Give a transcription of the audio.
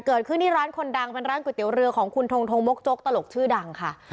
เกิดขึ้นที่ร้านคนดังเป็นร้านก๋วยเตี๋ยวเรือของคุณทงทงมกจกตลกชื่อดังค่ะ